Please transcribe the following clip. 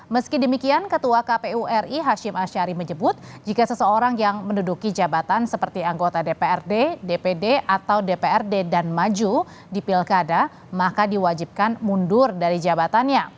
meski demikian ketua kpu ri hashim ashari menyebut jika seseorang yang menduduki jabatan seperti anggota dprd dpd atau dprd dan maju di pilkada maka diwajibkan mundur dari jabatannya